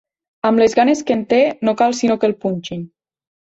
Amb les ganes que en té, no cal sinó que el punxin.